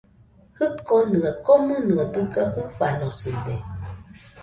Jikonɨa koninɨaɨ dɨga jɨfanosɨde